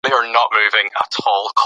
ځینې شرکتونه لا هم شک لري.